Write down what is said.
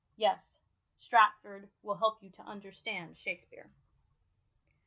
Yes, Stratford will help you to understand Shakspere.